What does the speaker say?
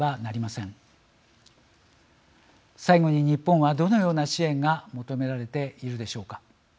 最後に日本はどのような支援が求められているでしょうか。